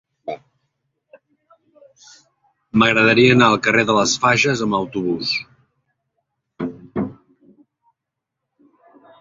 M'agradaria anar al carrer de les Fages amb autobús.